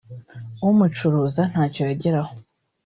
umucuruza ntacyo yageraho